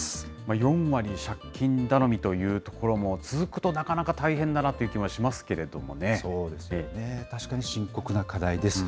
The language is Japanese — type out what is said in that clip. ４割借金頼みというところも続くとなかなか大変だなという気そうですよね、確かに深刻な課題です。